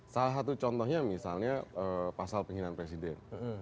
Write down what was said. salah satu contohnya misalnya pasal penghinaan presiden